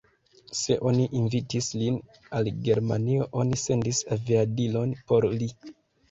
Se oni invitis lin al Germanio, oni sendis aviadilon por li.